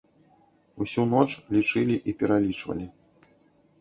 Усю ноч лічылі і пералічвалі.